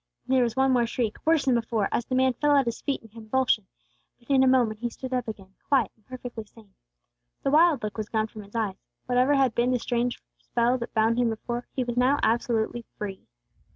There was one more shriek, worse than before, as the man fell at His feet in a convulsion; but in a moment he stood up again, quiet and perfectly sane. The wild look was gone from his eyes. Whatever had been the strange spell that had bound him before, he was now absolutely free.